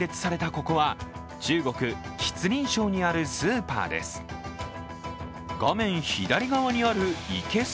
ここは、中国・吉林省にあるスーパーです。